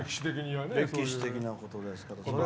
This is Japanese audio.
歴史的なことですから。